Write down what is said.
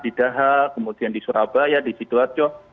di daha kemudian di surabaya di sidoarjo